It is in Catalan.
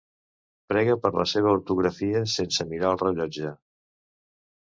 Prega per la seva ortografia sense mirar el rellotge.